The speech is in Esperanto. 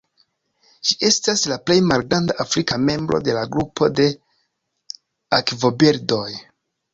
Ĝi estas la plej malgranda afrika membro de la grupo de akvobirdoj.